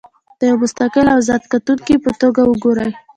د یوه مستقل او ازاد کتونکي په توګه وګورئ.